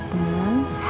tidak bang ustadz